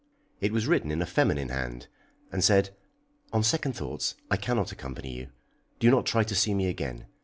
It was written in a feminine hand and said: "On second thoughts I cannot accompany you. Do not try to see me again.